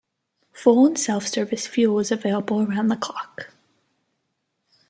Full and self-service fuel is available around the clock.